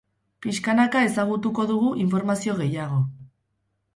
Pixkanaka ezagutuko dugu informazio gehiago.